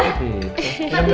nggak disuruh mama